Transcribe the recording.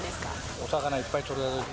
お魚いっぱい取れたとき。